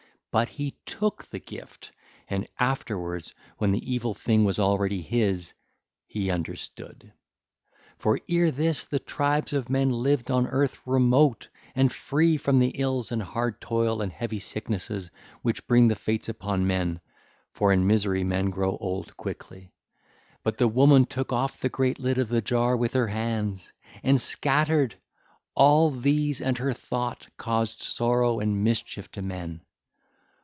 But he took the gift, and afterwards, when the evil thing was already his, he understood. (ll. 90 105) For ere this the tribes of men lived on earth remote and free from ills and hard toil and heavy sickness which bring the Fates upon men; for in misery men grow old quickly. But the woman took off the great lid of the jar 1303 with her hands and scattered all these and her thought caused sorrow and mischief to men.